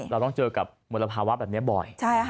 เราต้องเจอกับมลภาวะแบบนี้บ่อย